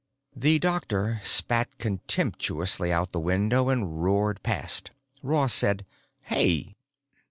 The doctor spat contemptuously out the window and roared past. Ross said, "Hey!"